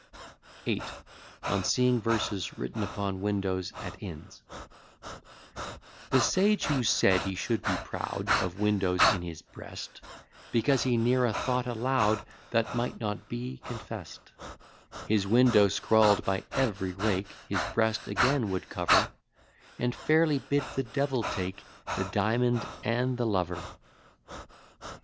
VIII. ON SEEING VERSES WRITTEN UPON WINDOWS AT INNS The sage, who said he should be proud Of windows in his breast, Because he ne'er a thought allow'd That might not be confest; His window scrawl'd by every rake, His breast again would cover, And fairly bid the devil take The diamond and the lover.